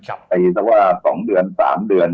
ตีสักว่า๒เดือน๓เดือน